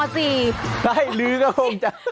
ใช่ลื้อก็คงจะ